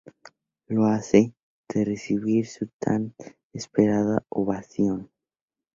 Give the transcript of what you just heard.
Lo hace, de recibir su tan esperada ovación.